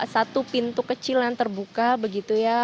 satu pintu kecil yang terbuka begitu ya